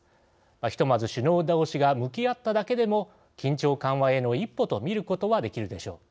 ひとまず首脳同士が向き合っただけでも緊張緩和への一歩とみることはできるでしょう。